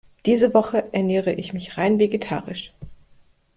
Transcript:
Diese Woche ernähre ich mich rein vegetarisch.